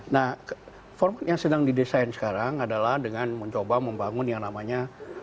nah format yang sedang didesain sekarang adalah dengan mencoba membangun yang namanya